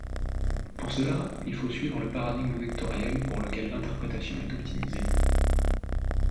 Pour cela, il faut suivre le paradigme vectoriel pour lequel l'interprétation est optimisée.